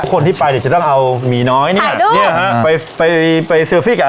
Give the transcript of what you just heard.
คนที่ไปเนี้ยจะต้องเอามีน้อยนี่แหละถ่ายดูเนี้ยฮะไปไป